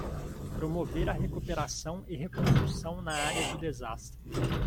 Promover a recuperação e reconstrução na área do desastre